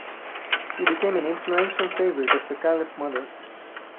She became an influential favorite of the Caliph mother.